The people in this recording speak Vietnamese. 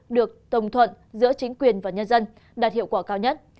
được đồng thuận giữa chính quyền và nhân dân đạt hiệu quả cao nhất